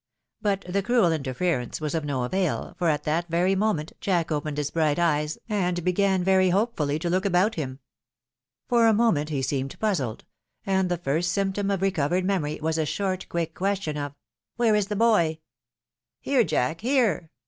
But the cruel interference was of no avail, for at that very moment Jack opened his bright eyes, and began very hopefully to look about him. For a moment he seemed puzzled ; and the first symptom of recovered memory, was a short, quick, question of " Where is the boy?" " Here, Jack, here